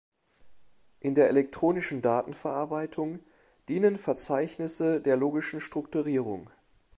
In der elektronischen Datenverarbeitung dienen Verzeichnisse der logischen Strukturierung.